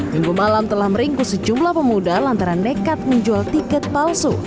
minggu malam telah meringkus sejumlah pemuda lantaran nekat menjual tiket palsu